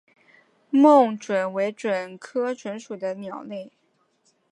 猛隼为隼科隼属的鸟类。